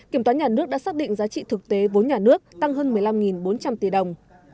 kiểm toán nhà nước đã xác định giá trị thực tế vốn nhà nước tăng hơn một mươi năm bốn trăm linh tỷ đồng